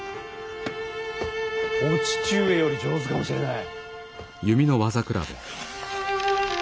お父上より上手かもしれない。